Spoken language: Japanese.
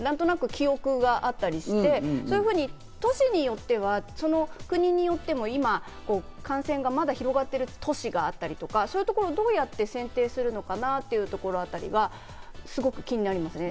がたしかロックダウンだったよなという記憶があったりして、都市によっては国によっても感染がまだ広がっている都市があったりとか、そういうところをどうやって選定するのかなというところだったりはすごく気になりますね。